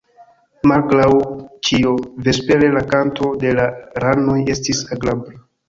Malgraŭ ĉio, vespere la kanto de la ranoj estis agrabla.